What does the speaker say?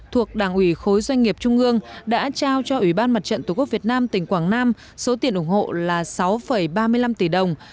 thuộc đảng ủy khối doanh nghiệp trung ương đã trao cho ủy ban mặt trận tổ quốc việt nam tỉnh quảng nam số tiền ủng hộ là sáu ba mươi năm tỷ đồng